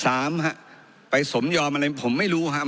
สามฮะไปสมยอมอะไรผมไม่รู้ครับ